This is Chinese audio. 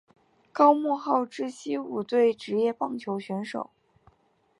高木浩之西武队职业棒球选手。